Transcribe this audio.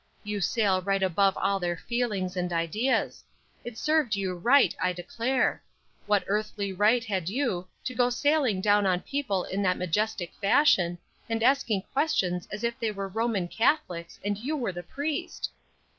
You sail right above all their feelings and ideas. It served you right, I declare. What earthly right had you to go sailing down on people in that majestic fashion, and asking questions as if they were Roman Catholics and you were the priest?"